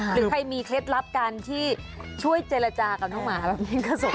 หรือใครมีเคล็ดลับการที่ช่วยเจรจากับน้องหมาแบบนี้ก็ส่ง